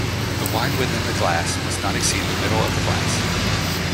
The wine within the glass must not exceed the middle of the glass.